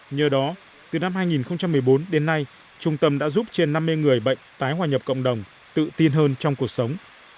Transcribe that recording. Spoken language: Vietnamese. nhờ đó từ năm hai nghìn một mươi bốn đến nay trung tâm đã giúp trên năm mươi người bệnh tái hòa nhập cộng đồng tự tin hơn trong cuộc sống